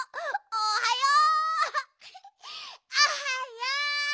おはよう！